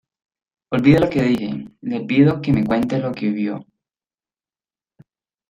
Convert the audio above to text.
olvide lo que le dije. le pido que me cuente lo que vio